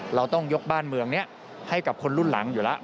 เราต้องยกบ้านเมืองนี้ให้กับคนรุ่นหลังอยู่แล้ว